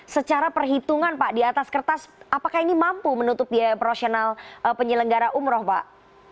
secara perhitungan pak di atas kertas apakah ini mampu menutup biaya operasional penyelenggara umroh pak